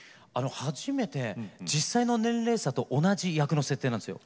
初めて実際の年齢差と同じ役の設定なんですよ。